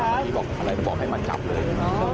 นี่ไงนี่มานี่แล้วมาเลยเนี่ย